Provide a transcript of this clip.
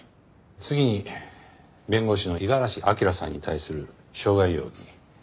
次に弁護士の五十嵐明さんに対する傷害容疑。